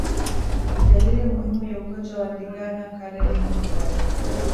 Dalili muhimu ya ugonjwa wa ndigana kali ni homa kali